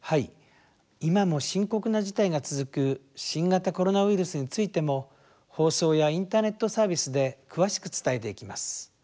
今も深刻な事態が続く新型コロナウイルスについても放送やインターネットサービスで詳しく伝えていきます。